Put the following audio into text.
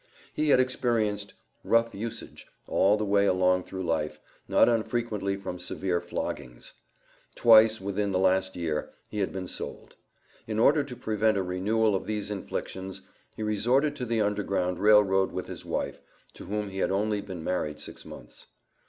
He had experienced "rough usage" all the way along through life, not unfrequently from severe floggings. Twice, within the last year, he had been sold. In order to prevent a renewal of these inflictions he resorted to the Underground Rail Road with his wife, to whom he had only been married six months.